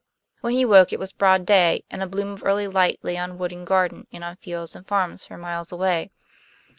When he woke it was broad day, and a bloom of early light lay on wood and garden and on fields and farms for miles away.